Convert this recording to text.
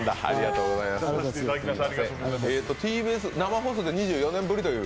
ＴＢＳ生放送で２４年ぶりという。